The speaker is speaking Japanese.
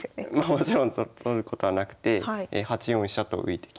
もちろん取ることはなくて８四飛車と浮いてきました。